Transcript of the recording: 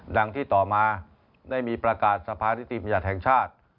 ดังที่ต่อมาได้มีประกาศสภานิติบัญญัติแห่งชาติ